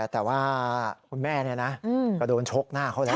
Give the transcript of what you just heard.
แต่ว่าคุณแม่ก็โดนโชคหน้าเขานะ